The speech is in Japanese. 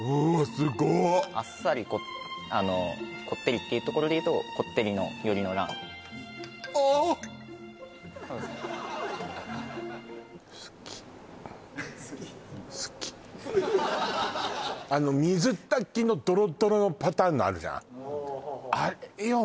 すごっあっさりこってりっていうところでいうとこってり寄りのラーメンああの水炊きのドロドロのパターンのあるじゃんあれよ